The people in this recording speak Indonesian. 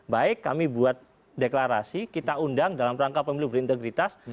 baik kami buat deklarasi kita undang dalam rangka pemilu berintegritas